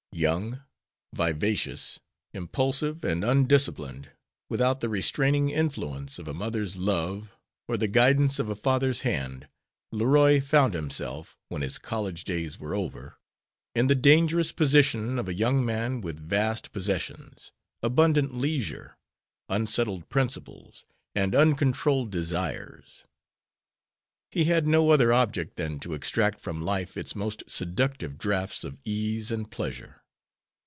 Young, vivacious, impulsive, and undisciplined, without the restraining influence of a mother's love or the guidance of a father's hand, Leroy found himself, when his college days were over, in the dangerous position of a young man with vast possessions, abundant leisure, unsettled principles, and uncontrolled desires. He had no other object than to extract from life its most seductive draughts of ease and pleasure.